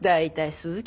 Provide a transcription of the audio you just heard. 鈴木。